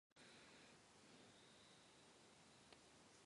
We know it well that none of us acting alone can achieve success.